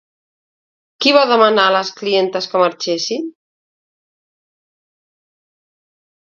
Qui va demanar a les clientes que marxessin?